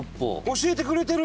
教えてくれてる！